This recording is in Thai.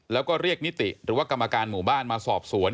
แล้วก็เรียกนิติหรือว่ากรรมการหมู่บ้านมาสอบสวน